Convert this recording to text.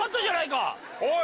おい！